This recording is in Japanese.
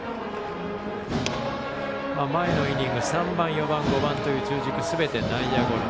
前のイニング３番、４番、５番という中軸はすべて内野ゴロ。